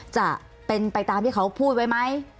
จะเป็นไปตามที่เขาพูดไว้ไหม